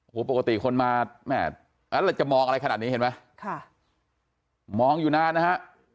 โอ้โหปกติคนมาจะมองอะไรขนาดนี้เห็นมั้ยค่ะมองอยู่นานนะฮะ